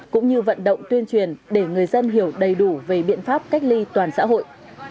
cũng như vận động tuyên truyền để người dân hiểu đầy đủ về biện pháp cách ly toàn xã hội